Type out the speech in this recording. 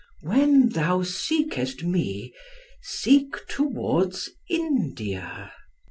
"When thou seekest me, seek towards India."